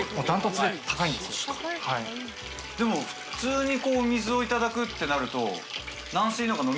でも普通にお水をいただくってなると。